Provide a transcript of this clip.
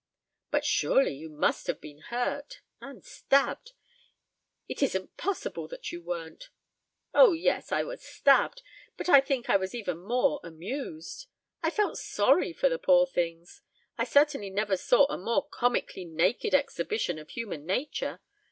"But surely you must have been hurt and stabbed. It isn't possible that you weren't!" "Oh, yes, I was stabbed, but I think I was even more amused. I felt sorry for the poor things. I certainly never saw a more comically naked exhibition of human nature.